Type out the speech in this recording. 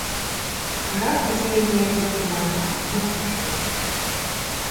«Ужат, кузе эҥер йолдыманда, – мутым шуйыш.